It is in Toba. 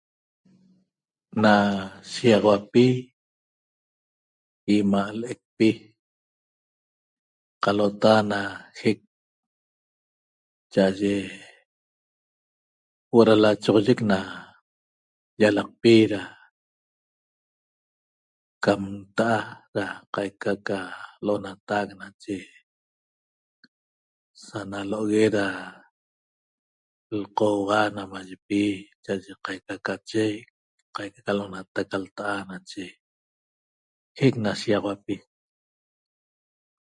Na shiaxauapi imaa leqpi calota na jeeq chaaye huoo na lachoxoyec na llalaqpi da cam ta caiqa da lonataq nache sanalohogue da lcohua namayipi nache da caica da cheq da vaica lonateq eñe jultaa nache jeeq na shiguiaxauapi